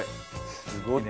すごいね。